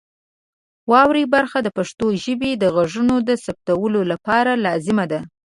واورئ برخه د پښتو ژبې د غږونو د ثبتولو لپاره لازمه ده.